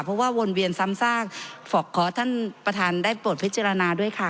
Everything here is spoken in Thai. เพราะว่าวนเวียนซ้ำซากขอท่านประธานได้โปรดพิจารณาด้วยค่ะ